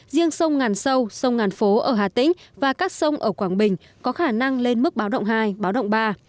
riêng sông ngàn sâu sông ngàn phố ở hà tĩnh và các sông ở quảng bình có khả năng lên mức báo động hai báo động ba